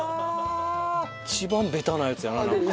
一番ベタなやつやななんか。